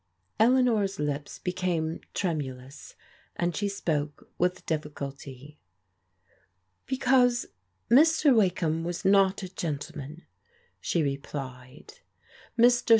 Eleanor's lips became tremulous, and she spoke with difficulty. " Because Mr. Wakeham was not a gentleman," she replied. Mr.